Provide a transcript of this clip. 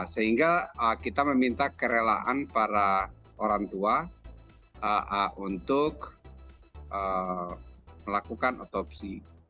sehingga kita meminta kerelaan para orang tua untuk melakukan otopsi